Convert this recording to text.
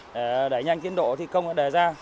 để đẩy nhanh tiến độ thi công đề ra